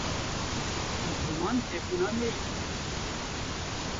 ziman hebûna me ye